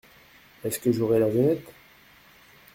Est-ce que j’aurais la venette ?